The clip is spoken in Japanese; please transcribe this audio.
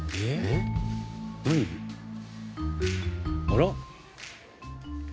あら」